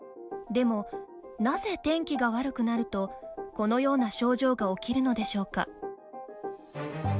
でも、なぜ天気が悪くなるとこのような症状が起きるのでしょうか。